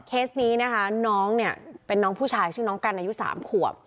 เคสนี้นะคะน้องเนี่ยเป็นน้องผู้ชายชื่อน้องกันอายุ๓ขวบ